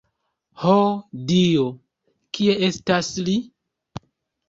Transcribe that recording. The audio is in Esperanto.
Ho, Dio, kie estas li?